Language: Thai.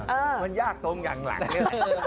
มันยากตรงอย่างหลังนี่แหละ